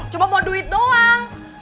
cuma mau duit doang